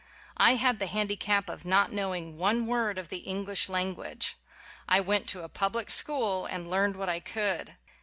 I had the handicap of not knowing one word of the English language. I went to a public school and learned what I could.